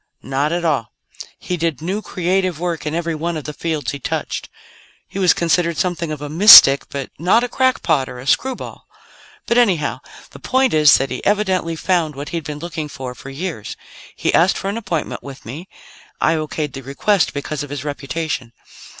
"Not at all. He did new, creative work in every one of the fields he touched. He was considered something of a mystic, but not a crackpot, or a screwball. "But, anyhow, the point is that he evidently found what he'd been looking for for years. He asked for an appointment with me; I okayed the request because of his reputation.